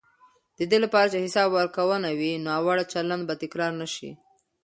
د دې لپاره چې حساب ورکونه وي، ناوړه چلند به تکرار نه شي.